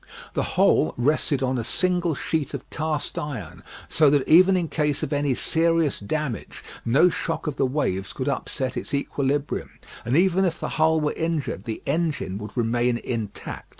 The whole rested on a single sheet of cast iron, so that even in case of any serious damage, no shock of the waves could upset its equilibrium, and even if the hull were injured the engine would remain intact.